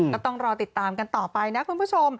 ก็ต้องรอติดตามกันต่อไปนะคุณผู้ชม